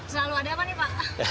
selalu ada apa nih pak